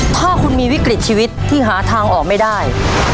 ถ้าคุณมีวิกฤตชีวิตที่หาทางออกไม่ได้